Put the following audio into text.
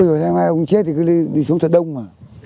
ôi dồi ôi hôm nay ông chết thì cứ đi xuống thật đông mà